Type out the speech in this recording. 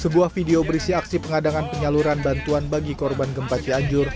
sebuah video berisi aksi pengadangan penyaluran bantuan bagi korban gempa cianjur